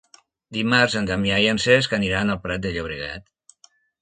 Dimarts en Damià i en Cesc aniran al Prat de Llobregat.